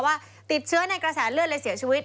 ว่าติดเชื้อในกระแสเลือดเลยเสียชีวิต